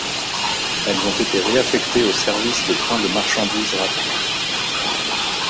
Elles ont été réaffectées au service de trains de marchandises rapides.